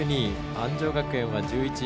安城学園は１１位。